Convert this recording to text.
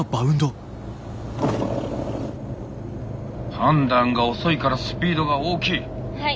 判断が遅いからスピードが大きい。